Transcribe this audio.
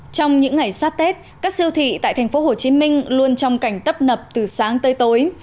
trong những ngày sát tết các siêu thị tại tp hcm luôn trong cảnh tấp nập từ sáng tới tối